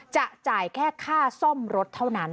จะจ่ายแค่ค่าซ่อมรถเท่านั้น